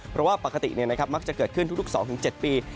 เพราะว่าปกติมักจะเกิดขึ้นทุก๒๗ปี